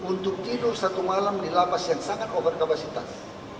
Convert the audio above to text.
untuk tidur satu malam di lapas yang sangat overkapasitas